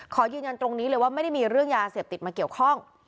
ขอยืนยันตรงนี้เลยว่าไม่ได้มีเรื่องยาเสพติดมาเกี่ยวข้อง